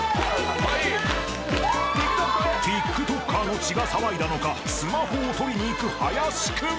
［ＴｉｋＴｏｋｅｒの血が騒いだのかスマホをとりに行く林君］